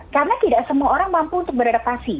karena tidak semua orang mampu untuk beradaptasi